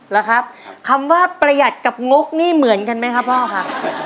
แล้วครับคำว่าประหยัดกับงกนี่เหมือนกันไหมครับพ่อครับ